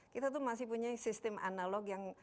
kita tuh masih punya sistem analog yang